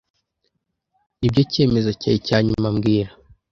Nibyo cyemezo cyawe cya nyuma mbwira